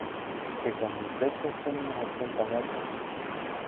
que con mi peso son unos ochenta metros.